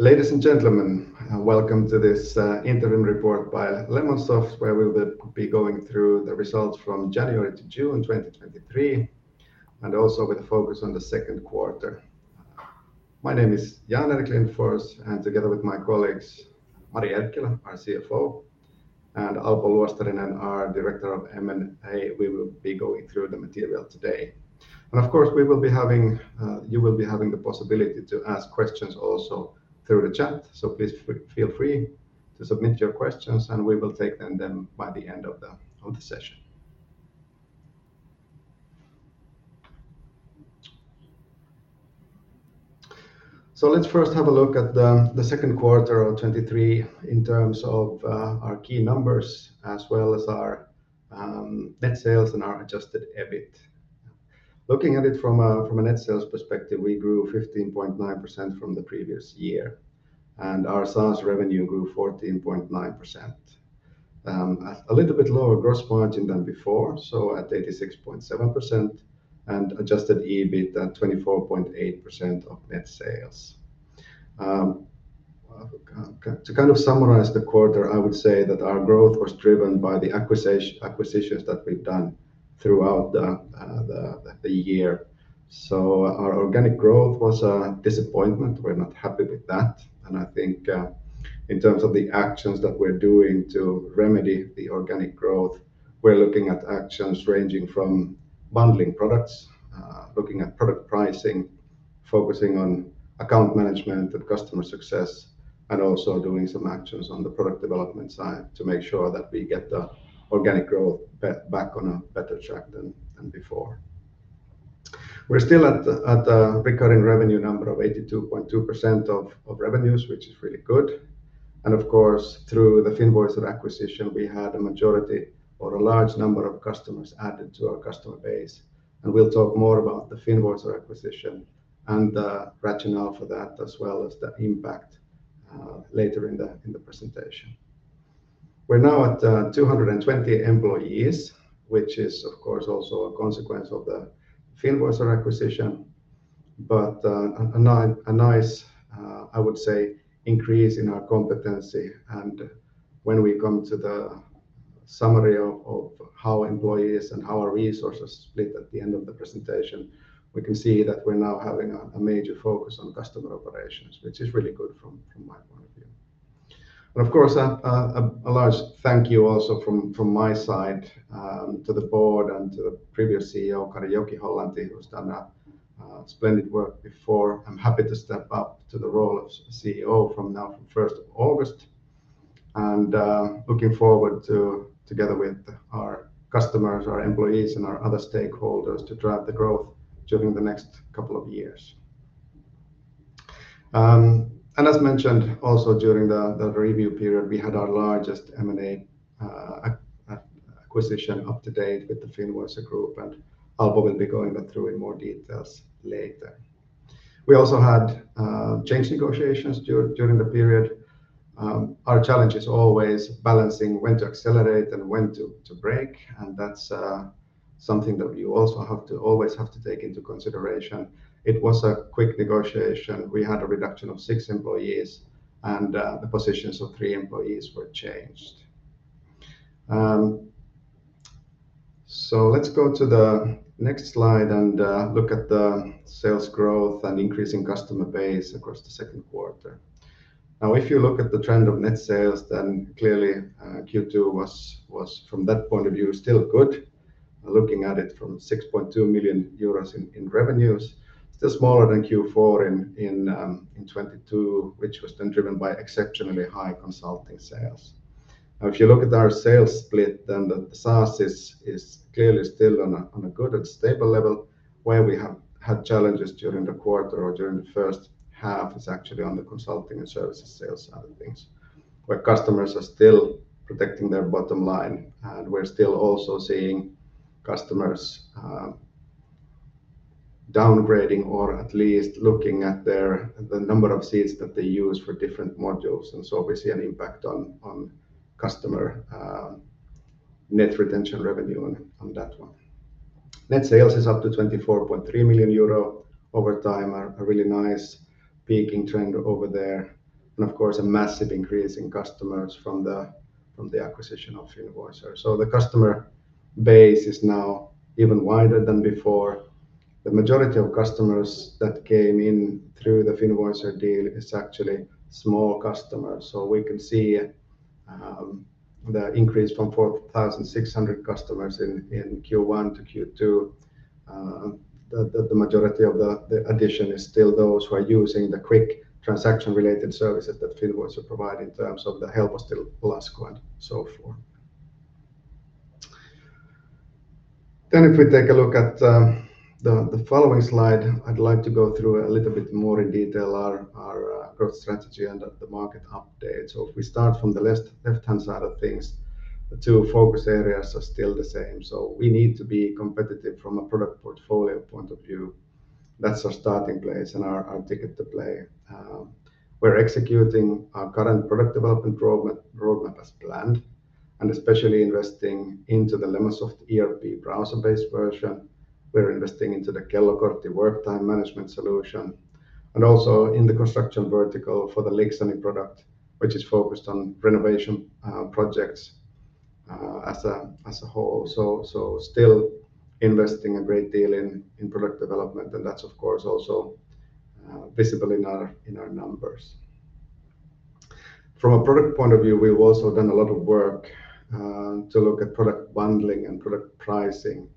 Ladies and gentlemen, welcome to this interim report by Lemonsoft Oyj, where we will be going through the results from January to June 2023, and also with a focus on the second quarter. My name is Jan-Erik Lindfors, together with my colleagues, Mari Erkkilä, our CFO, and Alpo Luostarinen, our Director of M&A, we will be going through the material today. Of course, we will be having, you will be having the possibility to ask questions also through the chat. Please feel free to submit your questions, we will take them then by the end of the session. Let's first have a look at the second quarter of 2023 in terms of our key numbers as well as our net sales and our adjusted EBITDA. Looking at it from a, from a net sales perspective, we grew 15.9% from the previous year. Our SaaS revenue grew 14.9%. A little bit lower gross margin than before, so at 86.7% and adjusted EBITDA at 24.8% of net sales. To kind of summarize the quarter, I would say that our growth was driven by the acquisitions that we've done throughout the, the year. Our organic growth was a disappointment. We're not happy with that, I think, in terms of the actions that we're doing to remedy the organic growth, we're looking at actions ranging from bundling products, looking at product pricing, focusing on account management and customer success, and also doing some actions on the product development side to make sure that we get the organic growth back on a better track than, than before. We're still at the, at the recurring revenue number of 82.2% of, of revenues, which is really good, and of course, through the Finvoicer acquisition, we had a majority or a large number of customers added to our customer base. We'll talk more about the Finvoicer acquisition and the rationale for that, as well as the impact later in the, in the presentation. We're now at 220 employees, which is of course, also a consequence of the Finvoicer acquisition, but a nice increase in our competency. When we come to the summary of how employees and how our resources split at the end of the presentation, we can see that we're now having a major focus on customer operations, which is really good from my point of view. Of course, a large thank you also from my side to the board and to the previous CEO, Kari Joki-Hollanti, who's done a splendid work before. I'm happy to step up to the role of CEO from now from first of August, and looking forward to, together with our customers, our employees, and our other stakeholders, to drive the growth during the next couple of years. As mentioned, also during the review period, we had our largest M&A acquisition up to date with the Finvoicer Group, and Alpo will be going through in more details later. We also had change negotiations during the period. Our challenge is always balancing when to accelerate and when to, to break, and that's something that we also have to always have to take into consideration. It was a quick negotiation. We had a reduction of six employees, and the positions of three employees were changed. Let's go to the next slide and look at the sales growth and increasing customer base across the second quarter. If you look at the trend of net sales, clearly Q2 was, from that point of view, still good. Looking at it from 6.2 million euros in revenues, still smaller than Q4 in 2022, which was then driven by exceptionally high consulting sales. If you look at our sales split, the SaaS is clearly still on a good and stable level. Where we have had challenges during the quarter or during the first half is actually on the consulting and services sales side of things, where customers are still protecting their bottom line. We're still also seeing customers downgrading or at least looking at their. The number of seats that they use for different modules, we see an impact on, on customer, net retention revenue on, on that one. Net sales is up to 24.3 million euro over time, a, a really nice peaking trend over there, and of course, a massive increase in customers from the, from the acquisition of Finvoicer. The customer base is now even wider than before. The majority of customers that came in through the Finvoicer deal is actually small customers. We can see the increase from 4,600 customers in, in Q1 to Q2, the, the, the majority of the, the addition is still those who are using the quick transaction-related services that Finvoicer provide in terms of the HelpostiLasku and so forth. If we take a look at the following slide, I'd like to go through a little bit more in detail our, our growth strategy and the market update. If we start from the left, left-hand side of things, the two focus areas are still the same. We need to be competitive from a product portfolio point of view. That's our starting place and our, our ticket to play. We're executing our current product development roadmap as planned. Especially investing into the Lemonsoft ERP browser-based version. We're investing into the Kellokortti work time management solution, and also in the construction vertical for the Lixani product, which is focused on renovation projects as a whole. Still investing a great deal in, in product development, and that's of course, also, visible in our, in our numbers. From a product point of view, we've also done a lot of work, to look at product bundling and product pricing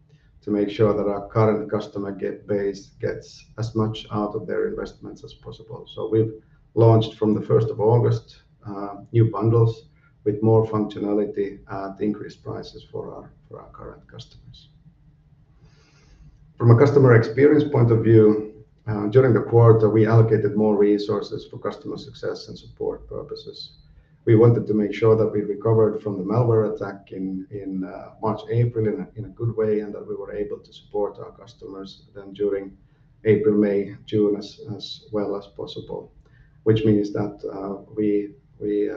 to make sure that our current customer get base gets as much out of their investments as possible. We've launched from the first of August, new bundles with more functionality at increased prices for our, for our current customers. From a customer experience point of view, during the quarter, we allocated more resources for customer success and support purposes. We wanted to make sure that we recovered from the malware attack in, in, March, April, in a, in a good way, and that we were able to support our customers then during April, May, June, as, as well as possible. Which means that, we, we,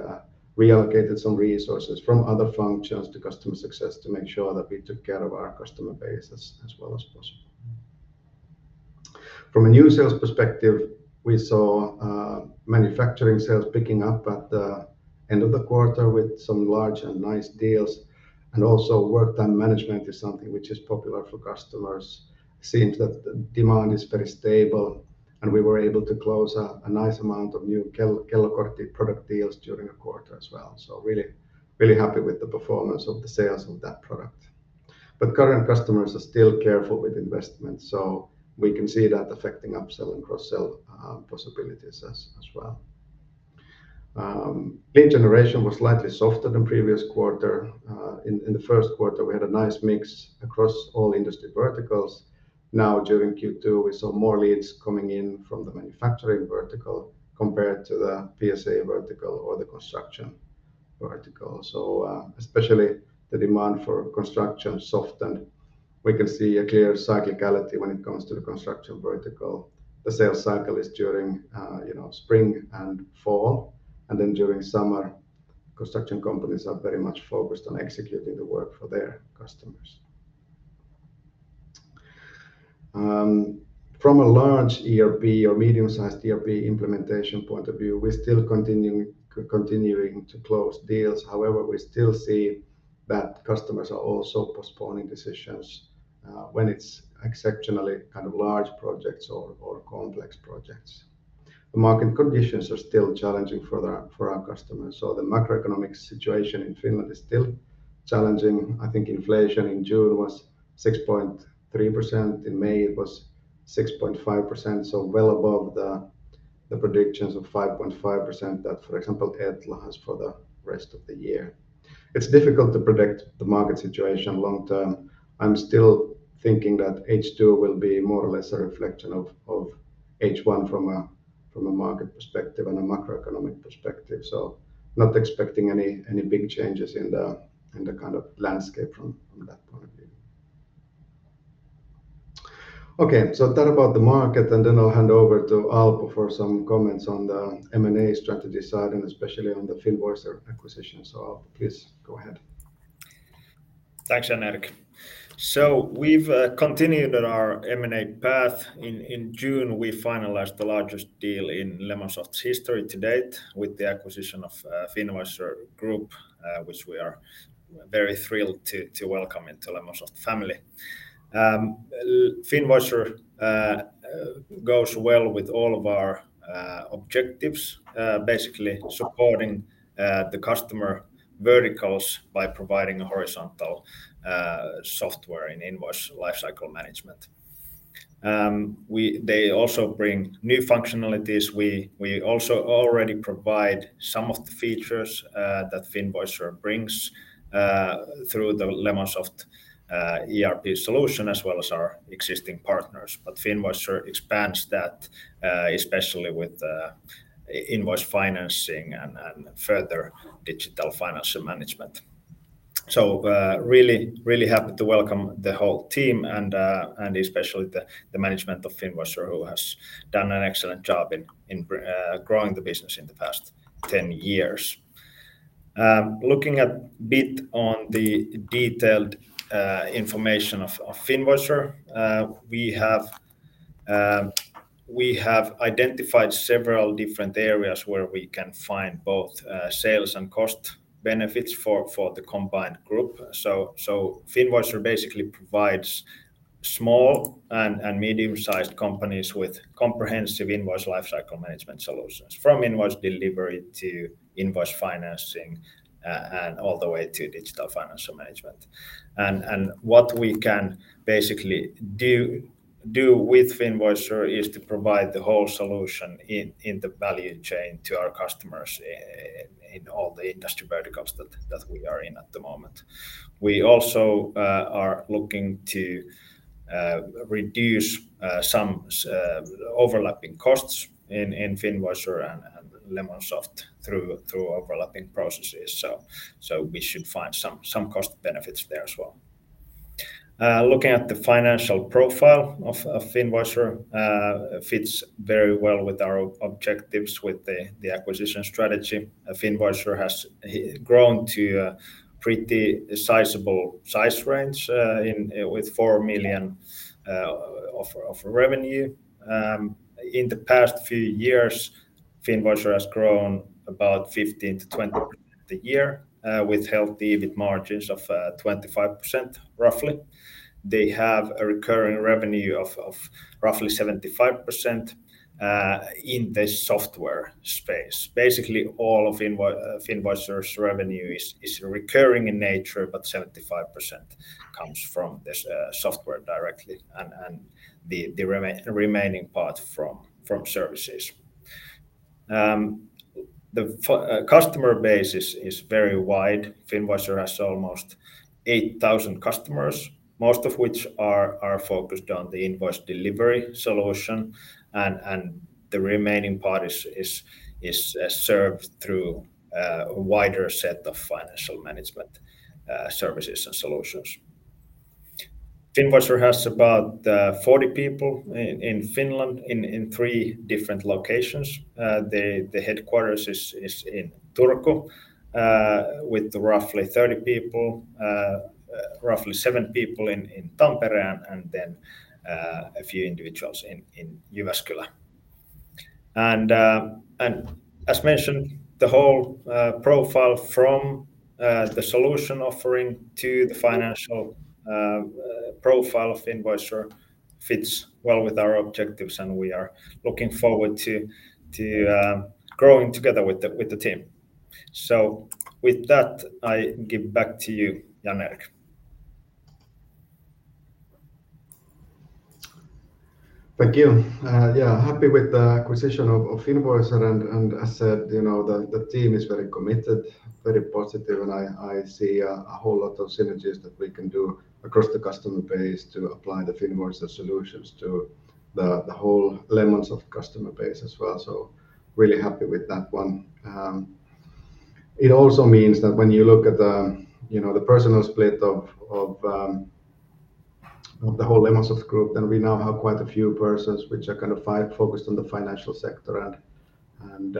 reallocated some resources from other functions to customer success to make sure that we took care of our customer base as, as well as possible. From a new sales perspective, we saw, manufacturing sales picking up at the end of the quarter with some large and nice deals, and also work time management is something which is popular for customers. Seems that the demand is very stable, and we were able to close a, a nice amount of new Kellokortti product deals during the quarter as well. Really, really happy with the performance of the sales of that product. Current customers are still careful with investments, so we can see that affecting upsell and cross-sell, possibilities as, as well. Lead generation was slightly softer than previous quarter. In, in the first quarter, we had a nice mix across all industry verticals. Now, during Q2, we saw more leads coming in from the manufacturing vertical compared to the PSA vertical or the construction vertical. Especially the demand for construction softened. We can see a clear cyclicality when it comes to the construction vertical. The sales cycle is during, you know, spring and fall, and then during summer, construction companies are very much focused on executing the work for their customers. From a large ERP or medium-sized ERP implementation point of view, we're still continuing, continuing to close deals. However, we still see that customers are also postponing decisions, when it's exceptionally kind of large projects or, or complex projects. The market conditions are still challenging for our customers, the macroeconomic situation in Finland is still challenging. I think inflation in June was 6.3%, in May it was 6.5%, well above the predictions of 5.5% that, for example, ETLA has for the rest of the year. It's difficult to predict the market situation long term. I'm still thinking that H2 will be more or less a reflection of H1 from a market perspective and a macroeconomic perspective, not expecting any big changes in the kind of landscape from that point of view. Okay, that about the market, and then I'll hand over to Alpo for some comments on the M&A strategy side, and especially on the Finvoicer acquisition. Alpo, please go ahead. Thanks, Jan-Erik. We've continued on our M&A path. In, in June, we finalized the largest deal in Lemonsoft's history to date with the acquisition of Finvoicer Group, which we are very thrilled to, to welcome into Lemonsoft family. Finvoicer goes well with all of our objectives, basically supporting the customer verticals by providing a horizontal software in invoice lifecycle management. They also bring new functionalities. We, we also already provide some of the features that Finvoicer brings through the Lemonsoft ERP solution, as well as our existing partners. Finvoicer expands that especially with the invoice financing and, and further digital financial management. Really, really happy to welcome the whole team and especially the management of Finvoicer, who has done an excellent job in growing the business in the past 10 years. Looking a bit on the detailed information of Finvoicer, we have identified several different areas where we can find both sales and cost benefits for the combined group. Finvoicer basically provides small and medium-sized companies with comprehensive invoice lifecycle management solutions, from invoice delivery to invoice financing, and all the way to digital financial management. What we can basically do with Finvoicer is to provide the whole solution in the value chain to our customers in all the industry verticals that we are in at the moment. We also are looking to reduce some overlapping costs in Finvoicer and Lemonsoft through overlapping processes. We should find some cost benefits there as well. Looking at the financial profile of Finvoicer fits very well with our objectives with the acquisition strategy. Finvoicer has grown to a pretty sizable size range with 4 million of revenue. In the past few years, Finvoicer has grown about 15%-20% a year with healthy EBITDA margins of 25%, roughly. They have a recurring revenue of roughly 75% in the software space. Basically, all of Finvoicer's revenue is recurring in nature, but 75% comes from the software directly and the remaining part from services. The customer base is, is very wide. Finvoicer has almost 8,000 customers, most of which are, are focused on the invoice delivery solution, and the remaining part is, is, is served through a wider set of financial management services and solutions. Finvoicer has about 40 people in Finland in three different locations. The headquarters is in Turku, with roughly 30 people, roughly seven people in Tampere, and then a few individuals in Jyväskylä. As mentioned, the whole profile from the solution offering to the financial profile of Finvoicer fits well with our objectives, and we are looking forward to growing together with the team. With that, I give back to you, Jan-Erik. Thank you. Yeah, happy with the acquisition of Finvoicer, and as said, you know, the team is very committed, very positive, and I see a whole lot of synergies that we can do across the customer base to apply the Finvoicer solutions to the whole Lemonsoft customer base as well. Really happy with that one. It also means that when you look at the, you know, the personal split of, of the whole Lemonsoft Group, then we now have quite a few persons which are kind of focused on the financial sector and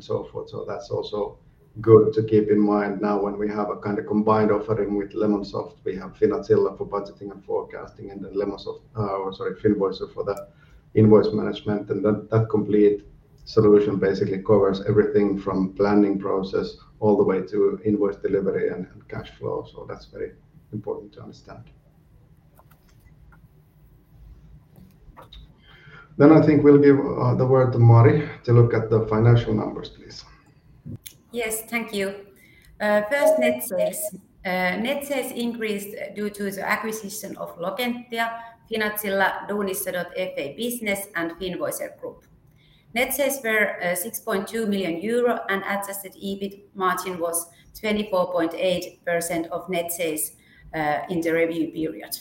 so forth. That's also good to keep in mind. Now, when we have a kinda combined offering with Lemonsoft, we have Finazilla for budgeting and forecasting, and then Lemonsoft, or sorry, Finvoicer for the invoice management, and that, that complete solution basically covers everything from planning process all the way to invoice delivery and, and cash flow. That's very important to understand. I think we'll give the word to Mari to look at the financial numbers, please. Yes, thank you. First, net sales. Net sales increased due to the acquisition of Logentia, Finazilla, Duunissa.fi business, and Finvoicer Group. Net sales were 6.2 million euro. Adjusted EBITDA margin was 24.8% of net sales in the review period.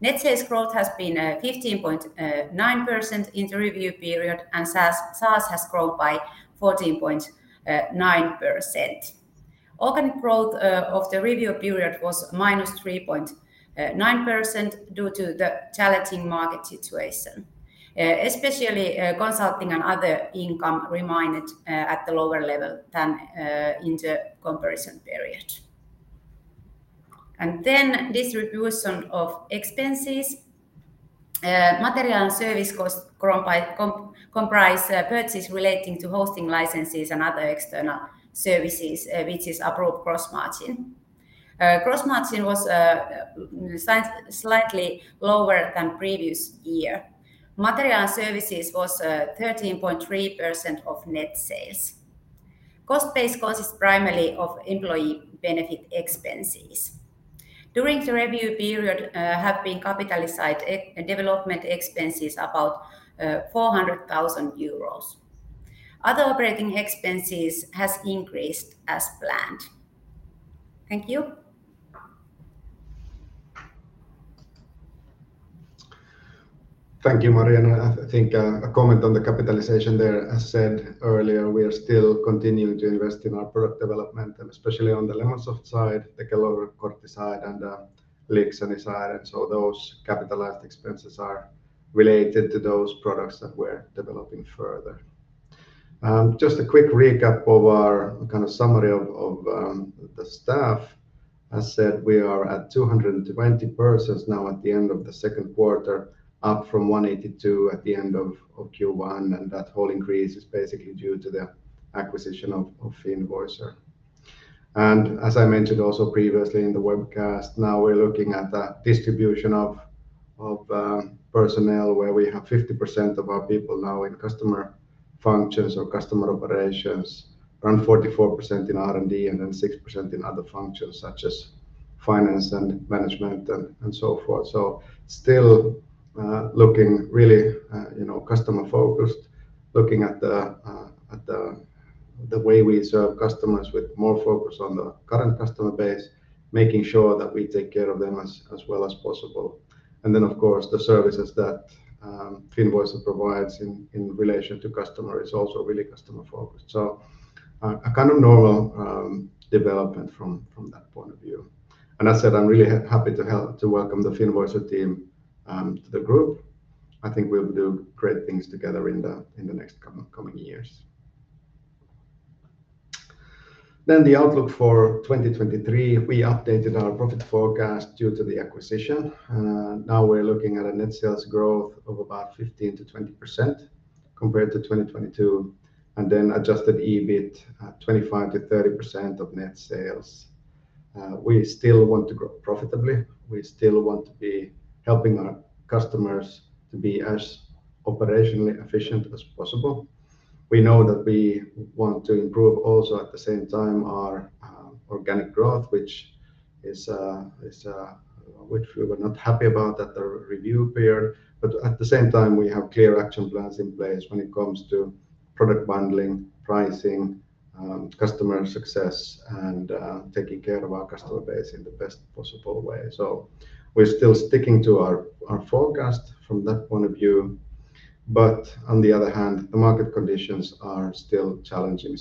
Net sales growth has been 15.9% in the review period. SaaS, SaaS has grown by 14.9%. Organic growth of the review period was -3.9% due to the challenging market situation, especially consulting and other income remained at the lower level than in the comparison period. Then distribution of expenses. Material and service costs grown by comprise purchases relating to hosting licenses and other external services, which is approved gross margin. Gross margin was slightly lower than previous year. Material and services was 13.3% of net sales. Cost base consists primarily of employee benefit expenses. During the review period, have been capitalized, development expenses about 400,000 euros. Other operating expenses has increased as planned. Thank you. Thank you, Mari, and I, I think, a comment on the capitalization there. As said earlier, we are still continuing to invest in our product development, and especially on the Lemonsoft side, the Kellokortti side, and Lixani side. So those capitalized expenses are related to those products that we're developing further. Just a quick recap of our kind of summary of, of, the staff. As said, we are at 220 persons now at the end of the second quarter, up from 182 at the end of, of Q1, and that whole increase is basically due to the acquisition of, of Finvoicer. As I mentioned also previously in the webcast, now we're looking at the distribution of, of personnel, where we have 50% of our people now in customer functions or customer operations, around 44% in R&D, and then 6% in other functions, such as finance and management and so forth. Still, looking really, you know, customer-focused, looking at the, at the, the way we serve customers with more focus on the current customer base, making sure that we take care of them as well as possible. Then, of course, the services that Finvoicer provides in, in relation to customer is also really customer-focused. A kind of normal development from, from that point of view. I said, I'm really ha-happy to help, to welcome the Finvoicer team to the group. I think we'll do great things together in the, in the next coming, coming years. The outlook for 2023, we updated our profit forecast due to the acquisition. Now we're looking at a net sales growth of about 15%-20% compared to 2022, and then adjusted EBITDA, 25%-30% of net sales. We still want to grow profitably. We still want to be helping our customers to be as operationally efficient as possible. We know that we want to improve also, at the same time, our organic growth, which is which we were not happy about at the review period. At the same time, we have clear action plans in place when it comes to product bundling, pricing, customer success, and taking care of our customer base in the best possible way. We're still sticking to our, our forecast from that point of view, but on the other hand, the market conditions are still challenging.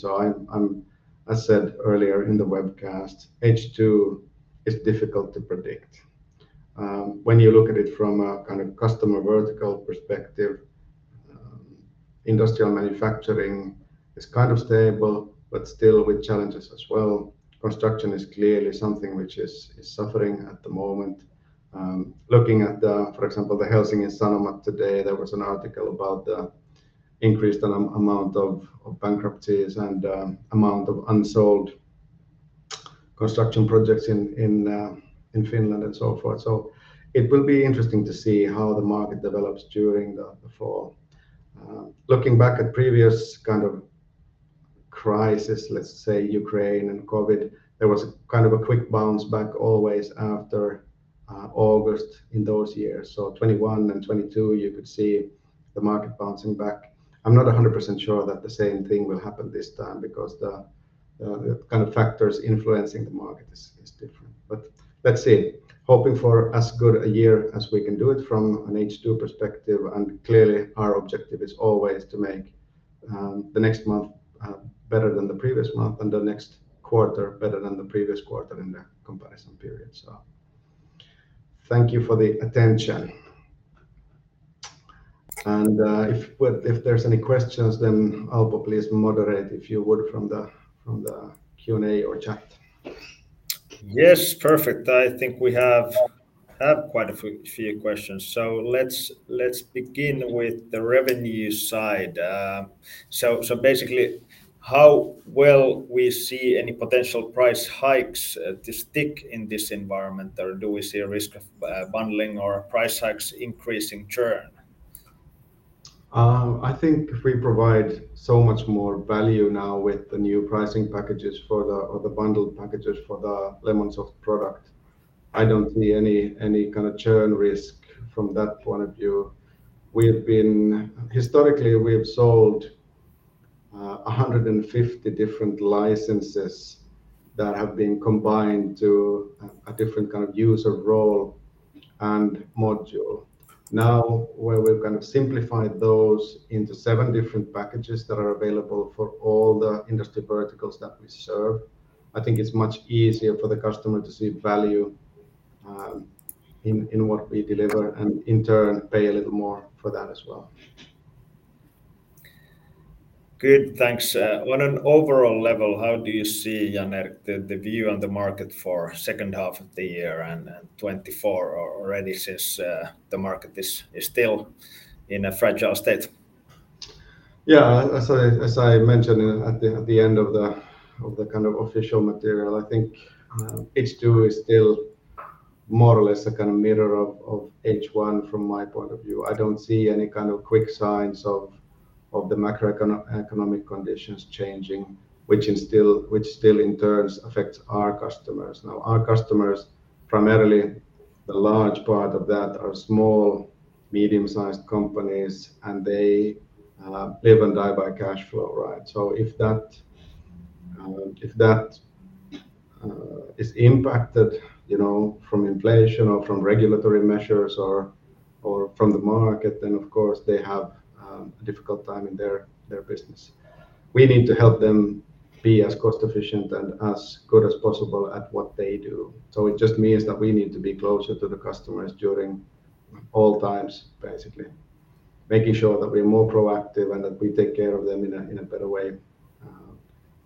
I said earlier in the webcast, H2 is difficult to predict. When you look at it from a kind of customer vertical perspective, industrial manufacturing is kind of stable, but still with challenges as well. Construction is clearly something which is, is suffering at the moment. Looking at the, for example, the Helsingin Sanomat today, there was an article about the increased amount of, of bankruptcies and amount of unsold construction projects in, in Finland and so forth. It will be interesting to see how the market develops during the fall. Looking back at previous kind of crisis, let's say Ukraine and COVID, there was kind of a quick bounce back always after August in those years. 21 and 22, you could see the market bouncing back. I'm not 100% sure that the same thing will happen this time because the kind of factors influencing the market is different. Let's see, hoping for as good a year as we can do it from an H2 perspective, and clearly, our objective is always to make the next month better than the previous month and the next quarter better than the previous quarter in the comparison period. Thank you for the attention. If, well, if there's any questions, then Alpo, please moderate, if you would, from the Q&A or chat. Yes, perfect. I think we have, have quite a few, few questions. Let's, let's begin with the revenue side. Basically, how well we see any potential price hikes to stick in this environment, or do we see a risk of bundling or price hikes increasing churn? I think we provide so much more value now with the new pricing packages for the... or the bundled packages for the Lemonsoft product. I don't see any, any kind of churn risk from that point of view. Historically, we have sold 150 different licenses that have been combined to a, a different kind of user role and module. Now, where we've kind of simplified those into seven different packages that are available for all the industry verticals that we serve, I think it's much easier for the customer to see value in what we deliver and, in turn, pay a little more for that as well. Good. Thanks. On an overall level, how do you see, Janne, the, the view on the market for second half of the year and, and 2024 already since, the market is, is still in a fragile state? Yeah, as I, as I mentioned at the, at the end of the, of the kind of official material, I think, H2 is still more or less a kind of mirror of, of H1 from my point of view. I don't see any kind of quick signs of, of the macroeconomic conditions changing, which is still, which still in turn affects our customers. Now, our customers, primarily the large part of that, are small, medium-sized companies, and they live and die by cash flow, right? If that, if that is impacted, you know, from inflation or from regulatory measures or, or from the market, then of course, they have a difficult time in their, their business. We need to help them be as cost-efficient and as good as possible at what they do. It just means that we need to be closer to the customers during all times, basically. Making sure that we're more proactive and that we take care of them in a, in a better way,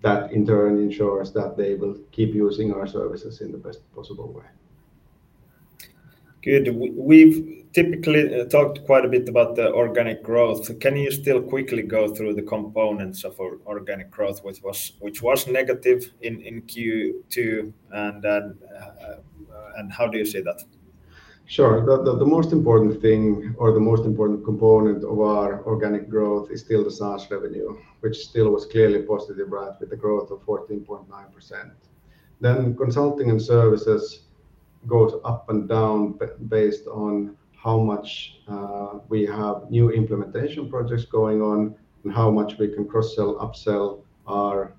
that in turn ensures that they will keep using our services in the best possible way. Good. We've typically talked quite a bit about the organic growth. Can you still quickly go through the components of our organic growth, which was, which was negative in, in Q2, and how do you see that? Sure. The most important thing or the most important component of our organic growth is still the SaaS revenue, which still was clearly positive, right, with the growth of 14.9%. Consulting and services goes up and down based on how much we have new implementation projects going on and how much we can cross-sell, upsell our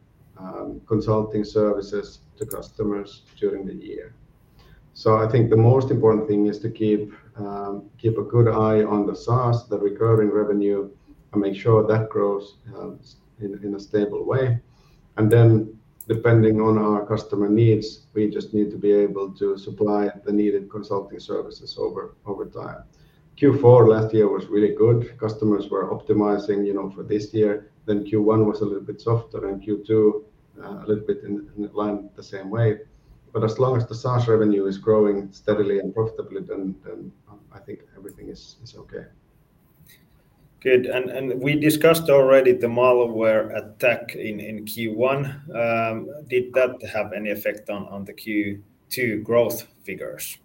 consulting services to customers during the year. I think the most important thing is to keep a good eye on the SaaS, the recurring revenue, and make sure that grows in a stable way. Depending on our customer needs, we just need to be able to supply the needed consulting services over, over time. Q4 last year was really good. Customers were optimizing, you know, for this year. Q1 was a little bit softer, and Q2, a little bit in, in line the same way. As long as the SaaS revenue is growing steadily and profitably, then, then, I think everything is, is okay. Good. And we discussed already the malware attack in, in Q1. Did that have any effect on, on the Q2 growth figures?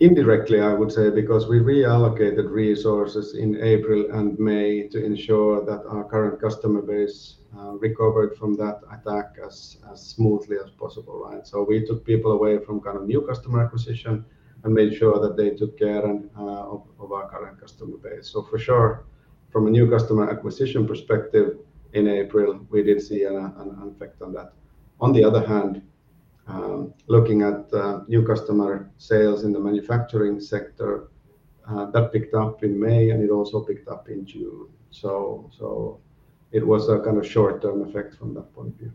Indirectly, I would say, because we reallocated resources in April and May to ensure that our current customer base recovered from that attack as, as smoothly as possible, right? We took people away from kind of new customer acquisition and made sure that they took care of our current customer base. For sure, from a new customer acquisition perspective, in April, we did see an effect on that. On the other hand, looking at new customer sales in the manufacturing sector, that picked up in May, and it also picked up in June. It was a kind of short-term effect from that point of view.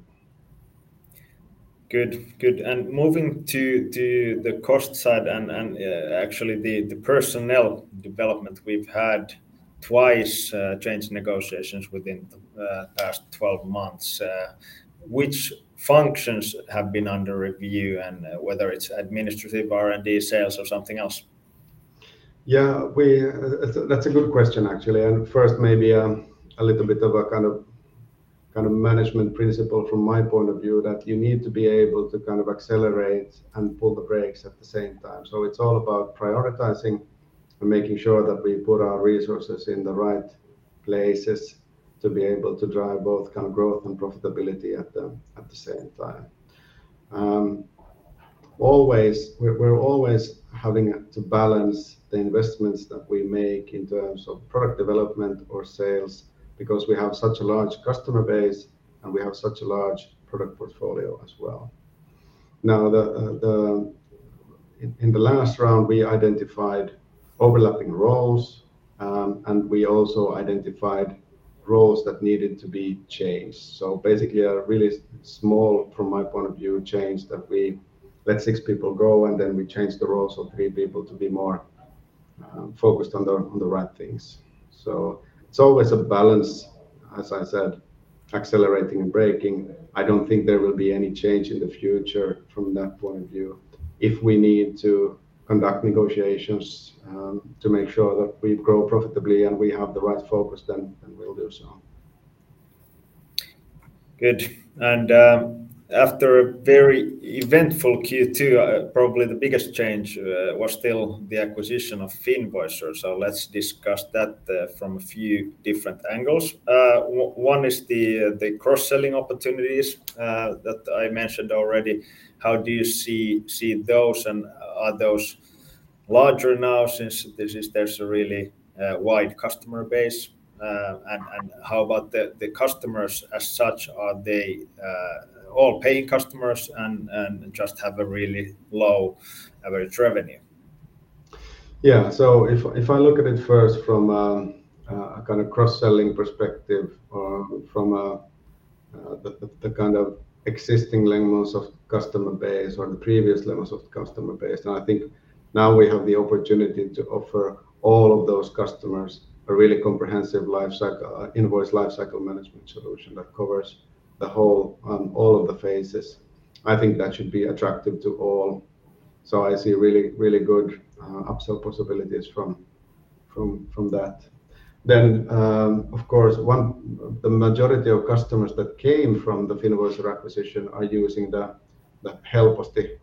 Good. Good. Moving to the, the cost side and, and, actually the, the personnel development, we've had twice change negotiations within the past 12 months. Which functions have been under review, and whether it's administrative, R&D, sales, or something else? Yeah, we. That's a good question, actually. First maybe, a little bit of a kind of management principle from my point of view, that you need to be able to kind of accelerate and pull the brakes at the same time. It's all about prioritizing and making sure that we put our resources in the right places to be able to drive both kind of growth and profitability at the same time. Always, we're always having to balance the investments that we make in terms of product development or sales, because we have such a large customer base, and we have such a large product portfolio as well. Now, in the last round, we identified overlapping roles. We also identified roles that needed to be changed. Basically, a really small, from my point of view, change, that we let 6 people go, and then we changed the roles of three people to be more focused on the right things. It's always a balance, as I said, accelerating and braking. I don't think there will be any change in the future from that point of view. If we need to conduct negotiations to make sure that we grow profitably and we have the right focus, then, then we'll do so. Good. After a very eventful Q2, probably the biggest change was still the acquisition of Finvoicer. So let's discuss that from a few different angles. One is the cross-selling opportunities that I mentioned already. How do you see those, and are those larger now since there's a really wide customer base? And how about the customers as such, are they all paying customers and just have a really low average revenue? If, if I look at it first from a kind of cross-selling perspective or from the kind of existing Lemonsoft customer base or the previous Lemonsoft customer base, I think now we have the opportunity to offer all of those customers a really comprehensive lifecycle invoice lifecycle management solution that covers the whole all of the phases. I think that should be attractive to all, I see really, really good upsell possibilities from, from, from that. Of course, the majority of customers that came from the Finvoicer acquisition are using the HelpostiLasku,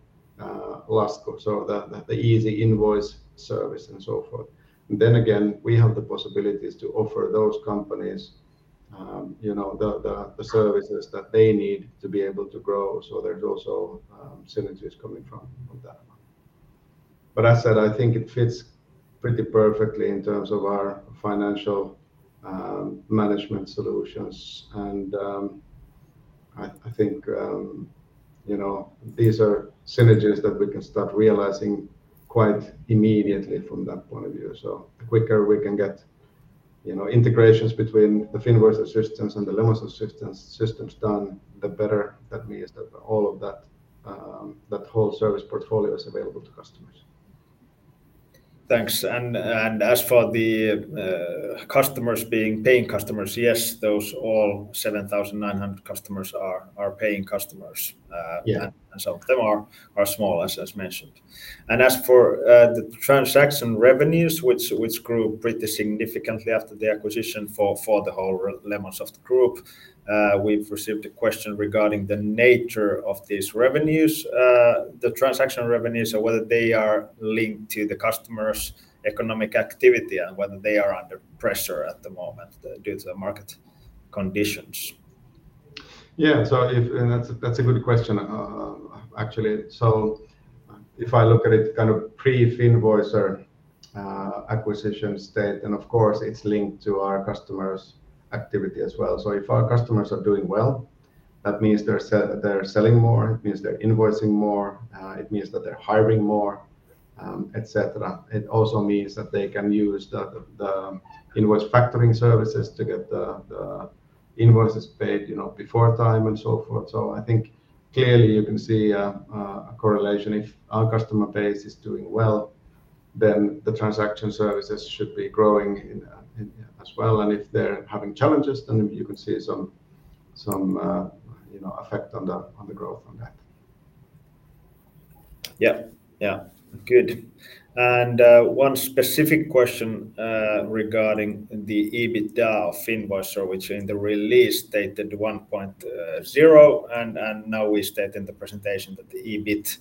so the easy invoice service and so forth. Then again, we have the possibilities to offer those companies, you know, the, the, the services that they need to be able to grow. There's also synergies coming from, from that. As I said, I think it fits pretty perfectly in terms of our financial management solutions. I, I think, you know, these are synergies that we can start realizing quite immediately from that point of view. The quicker we can get, you know, integrations between the Finvoicer systems and the Lemonsoft systems, systems done, the better that means that all of that, that whole service portfolio is available to customers. Thanks. As for the customers being paying customers, yes, those all 7,900 customers are paying customers. Yeah... and some of them are, are small, as, as mentioned. As for, the transaction revenues, which, which grew pretty significantly after the acquisition for, for the whole Lemonsoft Group, we've received a question regarding the nature of these revenues, the transaction revenues, so whether they are linked to the customers' economic activity and whether they are under pressure at the moment due to the market conditions. That's, that's a good question, actually. If I look at it kind of pre-Finvoicer acquisition state, and of course, it's linked to our customers' activity as well. If our customers are doing well, that means they're selling more, it means they're invoicing more, it means that they're hiring more, et cetera. It also means that they can use the, the invoice factoring services to get the, the invoices paid, you know, before time and so forth. I think clearly you can see a correlation. If our customer base is doing well, then the transaction services should be growing in, in as well. If they're having challenges, then you can see some, some, you know, effect on the, on the growth on that. Yeah. Yeah. Good. One specific question regarding the EBITDA of Finvoicer, which in the release stated 1.0, and now we state in the presentation that the EBITDA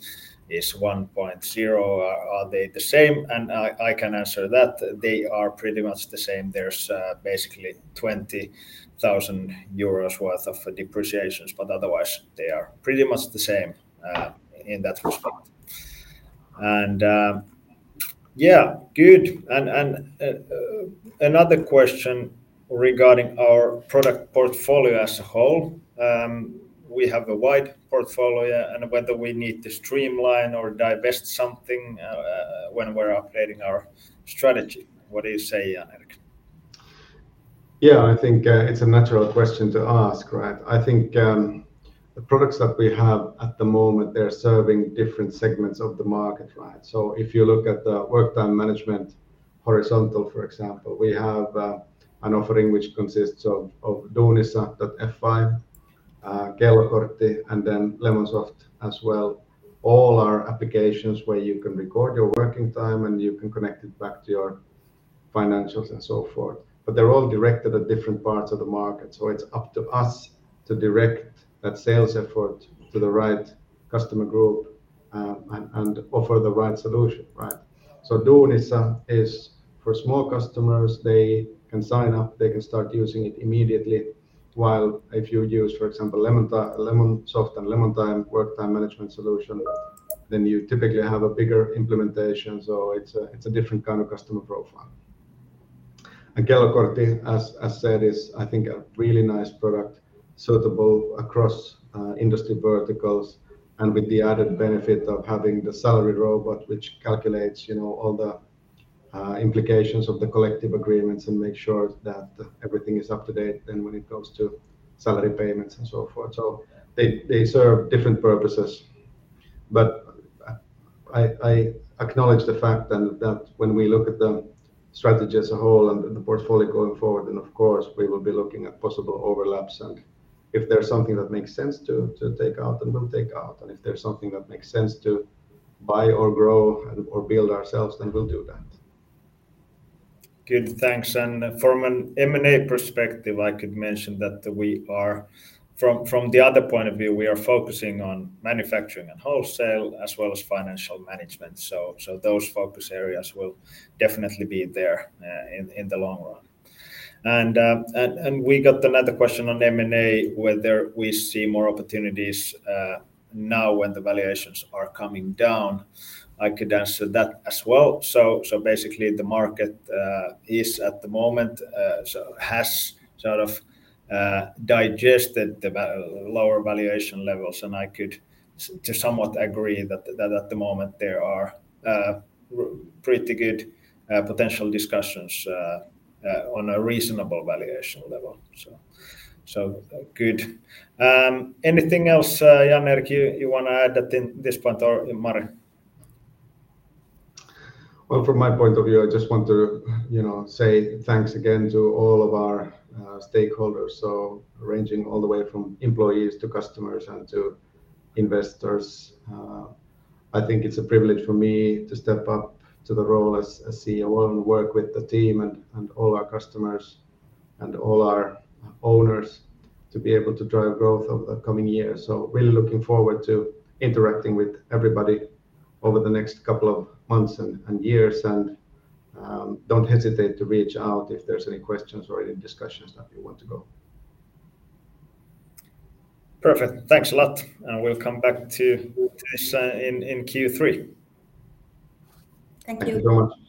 is 1.0. Are, are they the same? I, I can answer that. They are pretty much the same. There's basically 20,000 euros worth of depreciations, but otherwise, they are pretty much the same in that respect. Yeah, good. Another question regarding our product portfolio as a whole. We have a wide portfolio, and whether we need to streamline or divest something when we're updating our strategy. What do you say, Jan-Erik? Yeah, I think it's a natural question to ask, right? I think the products that we have at the moment, they're serving different segments of the market, right? If you look at the work time management horizontal, for example, we have an offering which consists of Duunissa.fi, Kellokortti, and then Lemonsoft as well. All are applications where you can record your working time, and you can connect it back to your financials and so forth. They're all directed at different parts of the market, so it's up to us to direct that sales effort to the right customer group, and offer the right solution, right? Duunissa is for small customers. They can sign up, they can start using it immediately, while if you use, for example, Lemonsoft and Lemontime work time management solution, then you typically have a bigger implementation. It's a, it's a different kind of customer profile. Kellokortti, as I said, is I think a really nice product, suitable across industry verticals and with the added benefit of having the salary robot, which calculates, you know, all the implications of the collective agreements and makes sure that everything is up-to-date when it comes to salary payments and so forth. They, they serve different purposes. I, I, I acknowledge the fact then that when we look at the strategy as a whole and the portfolio going forward, then, of course, we will be looking at possible overlaps, and if there's something that makes sense to, to take out, then we'll take out, and if there's something that makes sense to buy or grow and, or build ourselves, then we'll do that. Good. Thanks. From an M&A perspective, I could mention that from the other point of view, we are focusing on manufacturing and wholesale, as well as financial management. Those focus areas will definitely be there in the long run. We got another question on M&A, whether we see more opportunities now when the valuations are coming down. I could answer that as well. Basically, the market is at the moment has sort of digested the lower valuation levels, and I could to somewhat agree that at the moment there are pretty good potential discussions on a reasonable valuation level. Good. Anything else, Jan-Erik, you wanna add at this point or Mari? Well, from my point of view, I just want to, you know, say thanks again to all of our stakeholders, so ranging all the way from employees to customers and to investors. I think it's a privilege for me to step up to the role as, as CEO and work with the team and, and all our customers and all our owners to be able to drive growth over the coming years. Really looking forward to interacting with everybody over the next couple of months and, and years. Don't hesitate to reach out if there's any questions or any discussions that you want to go. Perfect. Thanks a lot, and we'll come back to you this, in, in Q3. Thank you. Thank you very much.